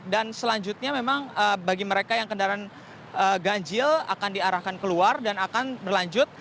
dan selanjutnya memang bagi mereka yang kendaraan ganjil akan diarahkan keluar dan akan berlanjut